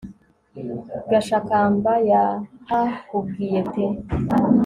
gashakamba yahakubwiye gute